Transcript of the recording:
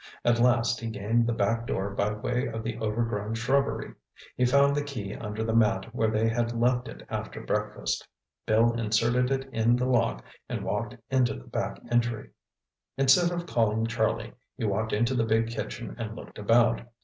At last he gained the back door by way of the overgrown shrubbery. He found the key under the mat where they had left it after breakfast. Bill inserted it in the lock and walked into the back entry. Instead of calling Charlie, he walked into the big kitchen and looked about.